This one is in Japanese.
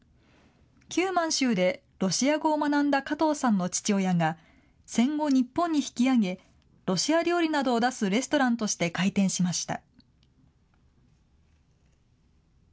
旧満州でロシア語を学んだ加藤さんの父親が戦後、日本に引き揚げロシア料理などを出すレストランとして開店しました。